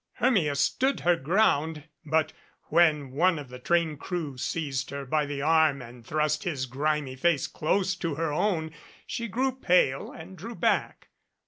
Hermia stood her ground, but when one of the train crew seized her by the arm and thrust his grimy face close to her own she grew pale and drew back.